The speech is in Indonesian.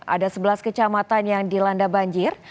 ada sebelas kecamatan yang dilanda banjir